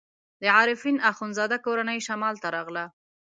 د عارفین اخندزاده کورنۍ شمال ته راغله.